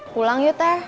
pulang yuk teh